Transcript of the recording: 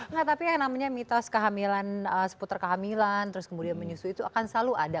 nah tapi yang namanya mitos seputar kehamilan terus kemudian menyusui itu akan selalu ada